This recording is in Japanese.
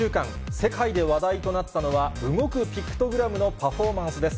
世界で話題となったのは、動くピクトグラムのパフォーマンスです。